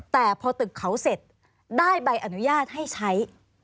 แต่พอตึกเขาเสร็จได้ใบอนุญาตให้ใช้